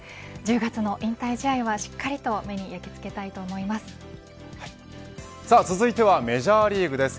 １０月の引退試合はしっかりと続いてはメジャーリーグです。